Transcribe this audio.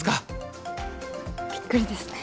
びっくりですね。